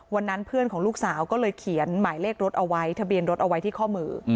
วันนั้นเพื่อนของลูกสาวก็เลยเขียนหมายเลขรถเอาไว้ทะเบียนรถเอาไว้ที่ข้อมือ